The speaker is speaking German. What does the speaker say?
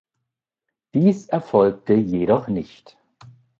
Dies erfolgte jedoch nicht.